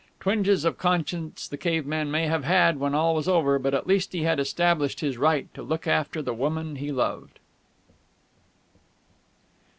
Twinges of conscience the caveman may have had when all was over, but at least he had established his right to look after the woman he loved.